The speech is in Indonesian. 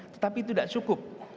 tetapi itu tidak cukup